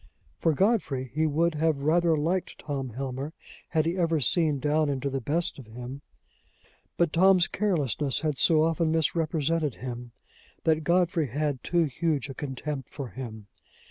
For Godfrey, he would have rather liked Tom Helmer, had he ever seen down into the best of him; but Tom's carelessness had so often misrepresented him, that Godfrey had too huge a contempt for him.